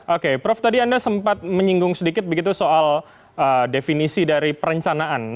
oke prof tadi anda sempat menyinggung sedikit begitu soal definisi dari perencanaan